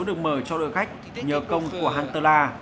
được mở cho đội khách nhờ công của huntela